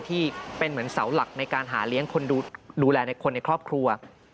ที่เป็นเหมือนเสาหลักในการหาเลี้ยงคนดูแลในคนในครอบครัว